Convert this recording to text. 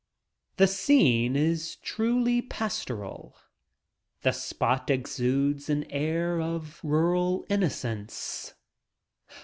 The scene is truly pastoral. The spot exudes an air of rural innocence.